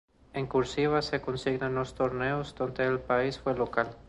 En "cursiva" se consignan los torneos donde el país fue local.